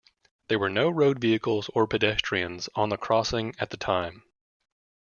There were no road vehicles or pedestrians on the crossing at the time.